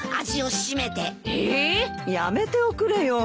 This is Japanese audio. やめておくれよ。